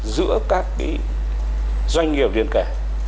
giữa các doanh nghiệp liên kể